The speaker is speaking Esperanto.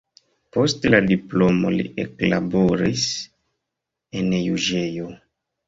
Post la diplomo li eklaboris en juĝejo.